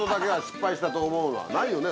ないよね